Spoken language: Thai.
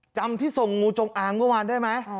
จำที่ส่งงูจงอางเมื่อวานได้ไหม